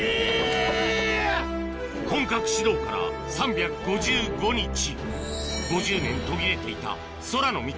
本格始動から３５５日今夜！